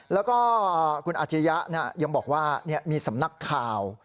แล้วก็คุณอาชิริยะยังบอกว่ามีสำนักข่าว